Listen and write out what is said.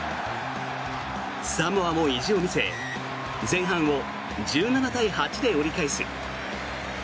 サモアも意地を見せ前半を１７対８で折り返す。